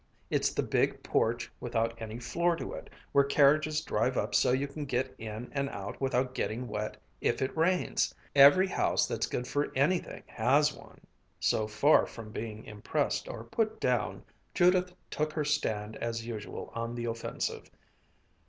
It's the big porch without any floor to it, where carriages drive up so you can get in and out without getting wet if it rains. Every house that's good for anything has one." So far from being impressed or put down, Judith took her stand as usual on the offensive.